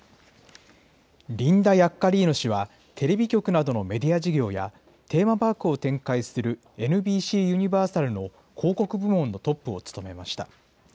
リンダ・ヤッカリーノ氏はテレビ局などのメディア事業やテーマパークを展開するＮＢＣユニバーサルの広告部門のトップを務めました。